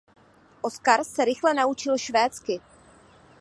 Oskar se rychle naučil švédsky.